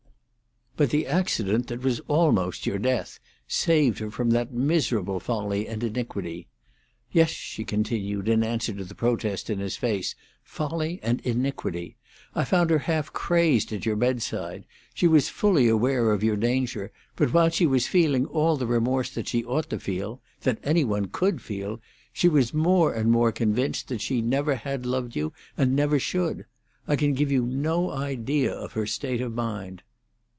"But the accident that was almost your death saved her from that miserable folly and iniquity. Yes," she continued, in answer to the protest in his face, "folly and iniquity. I found her half crazed at your bedside. She was fully aware of your danger, but while she was feeling all the remorse that she ought to feel—that any one could feel—she was more and more convinced that she never had loved you and never should. I can give you no idea of her state of mind."